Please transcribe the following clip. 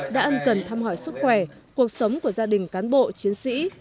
đã ân cần thăm hỏi sức khỏe cuộc sống của gia đình cán bộ chiến sĩ